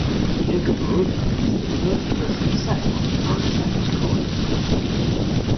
Jacob Ruiter was the first person to settle on the current site of Cowansville.